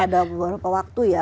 ada beberapa waktu ya